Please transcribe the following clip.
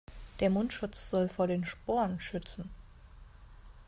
Der Mundschutz soll vor den Sporen schützen.